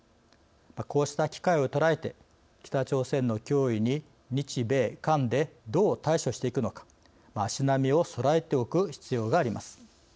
こうした機会をとらえて北朝鮮の脅威に日米韓でどう対処していくのか足並みをそろえておく必要があります。